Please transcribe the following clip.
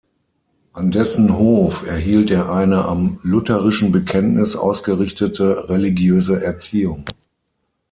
An dessen Hof erhielt er eine am lutherischen Bekenntnis ausgerichtete religiöse Erziehung.